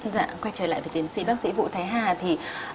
dạ quay trở lại với tiến sĩ bác sĩ vũ thái hà thì